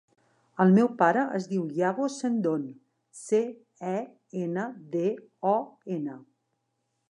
El meu pare es diu Iago Cendon: ce, e, ena, de, o, ena.